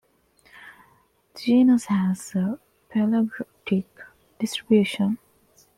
The genus has a palearctic distribution.